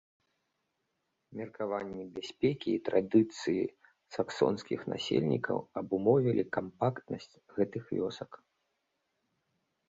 Меркаванні бяспекі і традыцыі саксонскіх насельнікаў абумовілі кампактнасць гэтых вёсак.